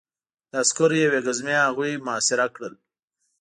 د عسکرو یوې ګزمې هغوی محاصره کړل